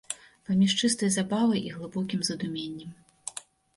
Паміж чыстай забавай і глыбокім задуменнем.